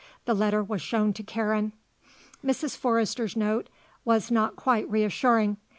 The letter was shown to Karen. Mrs. Forrester's note was not quite reassuring.